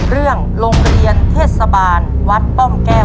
โรงเรียนเทศบาลวัดป้อมแก้ว